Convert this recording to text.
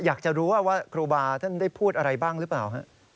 อยากจะรู้ว่าครูบาท่านได้พูดอะไรบ้างหรือเปล่า